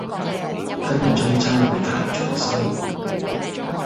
今日中秋會提早收